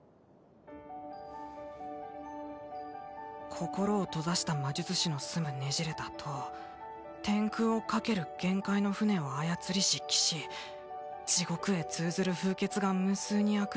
心を閉ざした魔術士の住むねじれた塔天空をかける幻海の舟を操りし騎士地獄へ通ずる風穴が無数にあく